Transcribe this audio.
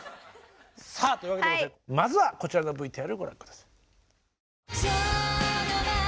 さあというわけでございましてまずはこちらのＶＴＲをご覧下さい。